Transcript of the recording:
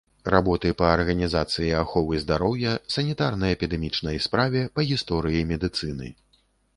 Работы па арганізацыі аховы здароўя, санітарна-эпідэмічнай справе, па гісторыі медыцыны.